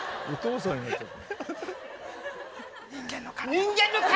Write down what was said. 人間の体。